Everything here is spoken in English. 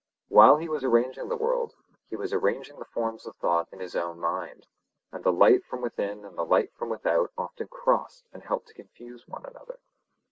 While he was arranging the world, he was arranging the forms of thought in his own mind; and the light from within and the light from without often crossed and helped to confuse one another.